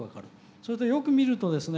それとよく見るとですね